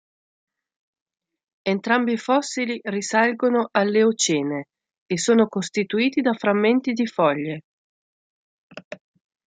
Entrambi i fossili risalgono all'Eocene, e sono costituiti da frammenti di foglie.